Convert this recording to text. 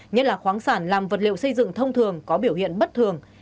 nhất là khoáng sản làm vật liệu xây dựng thông thường có biểu hiện bất thường